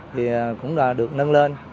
thì cũng được nâng lên